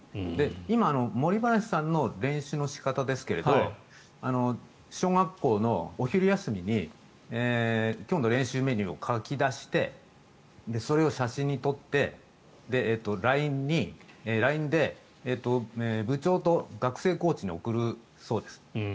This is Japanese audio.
今、森林さんの練習の仕方ですが小学校のお昼休みに今日の練習メニューを書き出してそれを写真に撮ってＬＩＮＥで部長と学生コーチに送るそうです。